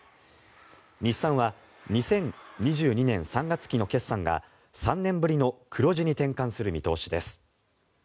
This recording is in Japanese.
日産は２０２２年３月期の決算が３年ぶりの黒字に転換する見通しです。